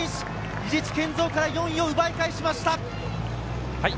伊地知賢造から４位を奪い返しました。